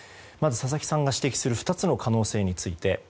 佐々木さんが指摘する２つの可能性について。